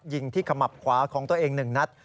ยิงที่ขมับขวาของตัวเอง๑นัด